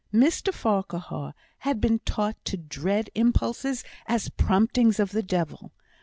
Mr Farquhar had been taught to dread impulses as promptings of the devil.